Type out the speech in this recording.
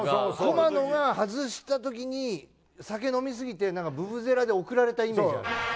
駒野が外したときに酒飲み過ぎてブブゼラで送られたイメージある。